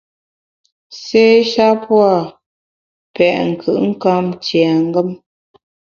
Sé sha pua’ petnkùtnkamtiengem.